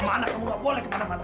mana kamu gak boleh kemana mana